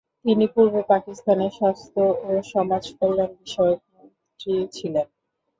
তিনি পূর্ব পাকিস্তানের স্বাস্থ্য ও সমাজকল্যাণ বিষয়ক মন্ত্রী ছিলেন।